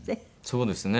そうですね。